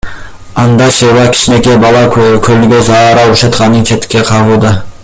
Андашева кичинекей бала көлгө заара ушатканын четке кагууда.